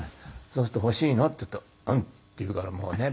そうすると「欲しいの？」って言うと「うん」って言うからもうね。